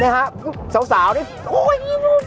เนี่ยครับเสานี่โอ๊ย